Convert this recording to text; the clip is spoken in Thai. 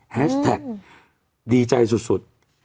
แฮชแท็กดีใจสุด